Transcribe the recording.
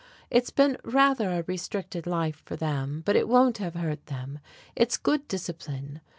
It's been rather a restricted life for them, but it won't have hurt them. It's good discipline.